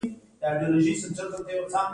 باد د وطن د غرونو غږ دی